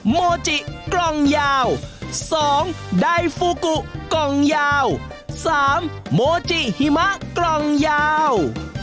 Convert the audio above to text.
โมจิกล่องยาว๒ไดฟูกุกล่องยาว๓โมจิหิมะกล่องยาว